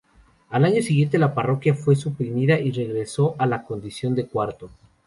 Al año siguiente, la parroquia fue suprimida y regresó a la condición de curato.